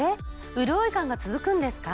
うるおい感が続くんですか？